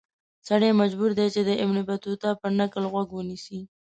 سړی مجبور دی چې د ابن بطوطه پر نکل غوږ ونیسي.